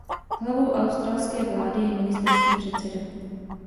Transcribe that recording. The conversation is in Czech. Hlavou australské vlády je ministerský předseda.